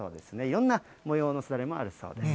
いろんな模様のすだれもあるそうです。